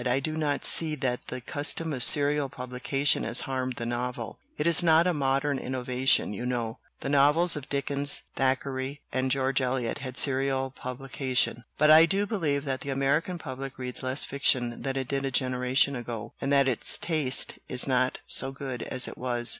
"I do not see that the custom of serial publica tion has harmed the novel. It is not a modern innovation, you know. The novels of Dickens, Thackeray, and George Eliot had serial publica tion. But I do believe that the American public reads less fiction than it did a generation ago, and that its taste is not so good as it was."